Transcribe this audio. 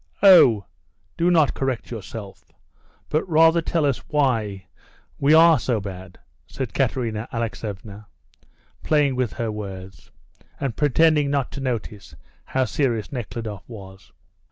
"Oh, do not correct yourself, but rather tell us why we are so bad," said Katerina Alexeevna, playing with her words and pretending not to notice how serious Nekhludoff was.